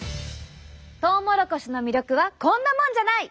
トウモロコシの魅力はこんなもんじゃない！